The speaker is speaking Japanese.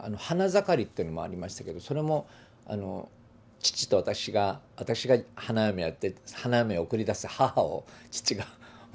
「花ざかり」っていうのもありましたけどそれも父と私が私が花嫁をやって花嫁を送り出す母を父が。